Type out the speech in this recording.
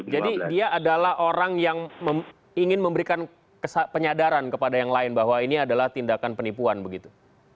jadi dia adalah orang yang ingin memberikan penyadaran kepada yang lain bahwa ini adalah tindakan penipuan begitu